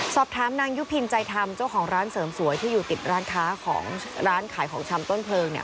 สอบถามนางยุพินใจธรรมเจ้าของร้านเสริมสวยที่อยู่ติดร้านค้าของร้านขายของชำต้นเพลิงเนี่ย